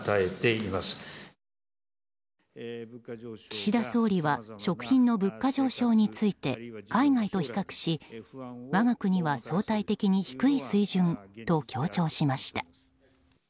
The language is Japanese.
岸田総理は食品の物価上昇について海外と比較し、我が国は相対的に低い水準と強調しました。